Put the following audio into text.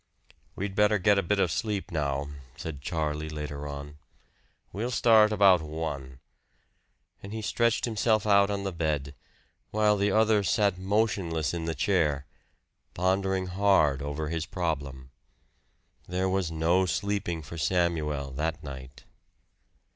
"We'd better get a bit of sleep now," said Charlie later on. "We'll start about one." And he stretched himself out on the bed, while the other sat motionless in the chair, pondering hard over his problem. There was no sleeping for Samuel that night.